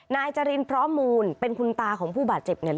นายจรินพร้อมมูลเป็นคุณตาของผู้บาดเจ็บเนี่ย